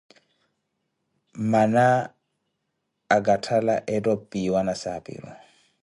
Mmana akatthala eetta opiwa nasaapiru.